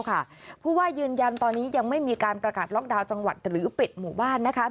เพราะว่ายืนยันตอนนี้ยังไม่มีการประกาศล็อกดาวน์จังหวัดหรือปิดหมู่บ้านนะคะ